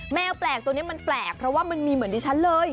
แมวแปลกตัวนี้มันแปลกเพราะว่ามันมีเหมือนดิฉันเลย